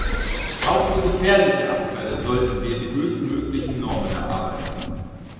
Auch für gefährliche Abfälle sollten wir die höchstmöglichen Normen erarbeiten.